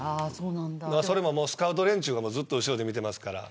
それもスカウト連中がずっと後ろで見ています。